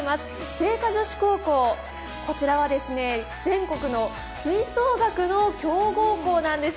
精華女子高校、こちらは全国の吹奏楽の強豪校なんです。